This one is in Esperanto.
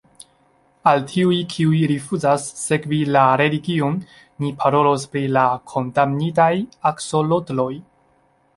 "Al tiuj, kiuj rifuzas sekvi la religion, ni parolos pri la kondamnitaj aksolotloj."